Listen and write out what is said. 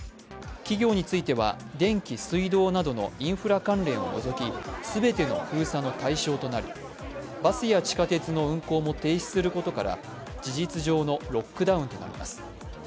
企業については電気、水道などのインフラ関連を除き全ての封鎖の対象となり、バスや地下鉄の運行も停止することから事実上のロックダウンとなります。